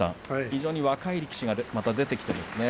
非常に若い力士がまた出てきていますね。